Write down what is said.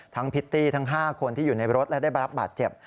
พริตตี้ทั้ง๕คนที่อยู่ในรถและได้รับบาดเจ็บ